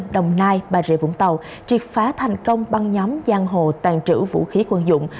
đồng nai bà rịa vũng tàu triệt phá thành công băng nhóm giang hồ tàn trữ vũ khí quân dụng